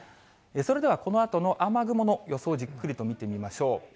それではこのあとの雨雲の予想をじっくりと見てみましょう。